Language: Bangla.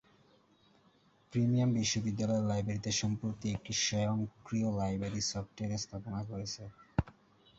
প্রিমিয়ার বিশ্ববিদ্যালয়ের লাইব্রেরীতে সম্প্রতি একটি স্বয়ংক্রিয় লাইব্রেরী সফটওয়্যার স্থাপন করেছে।